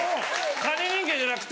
カニ人間じゃなくて。